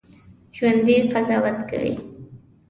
ژوندي قضاوت کوي